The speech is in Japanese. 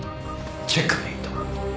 チェックメイト。